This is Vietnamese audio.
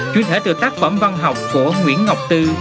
chuyên thể từ tác phẩm văn học của nguyễn ngọc tư